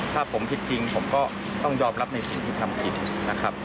ถ้าผมผิดจริงผมก็ต้องยอมรับในสิ่งที่ทำผิดนะครับ